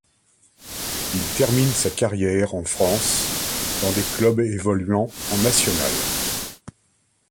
Il termine sa carrière en France, dans des clubs évoluant en National.